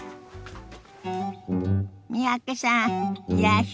三宅さんいらっしゃい。